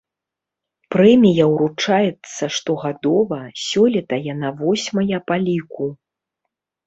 Прэмія ўручаецца штогадова, сёлета яна восьмая па ліку.